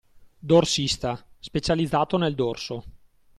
“Dorsista”: Specializzato nel dorso.